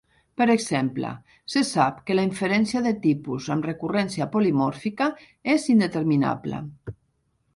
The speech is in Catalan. Per exemple, se sap que la inferència de tipus amb recurrència polimòrfica és indeterminable.